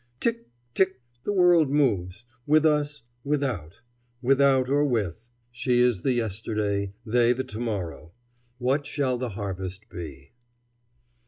Tick, tick! the world moves, with us without; without or with. She is the yesterday, they the to morrow. What shall the harvest be?